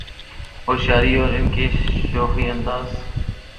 ہوشیاری اور ان کی شوخی انداز